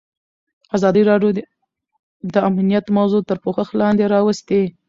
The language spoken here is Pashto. ازادي راډیو د امنیت موضوع تر پوښښ لاندې راوستې.